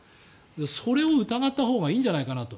それを疑ったほうがいいんじゃないかなと。